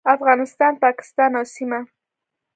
افغانستان، پاکستان او سیمه